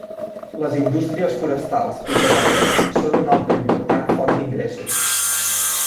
Les indústries forestals i papereres són una altra important font d'ingressos.